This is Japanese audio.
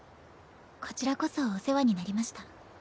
こちらこそお世話になりました。